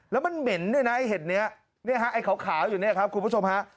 แล้วมันเหม็นด้วยนะไอ้เห็ดนี้เนี่ยฮะไอ้ขาวอยู่เนี่ยครับคุณผู้ชมฮะ